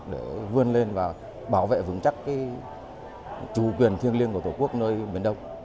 để vươn lên và bảo vệ vững chắc chủ quyền thiêng liêng của tổ quốc nơi miền đông